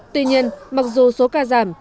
tuy nhiên mặc dù số ca giảm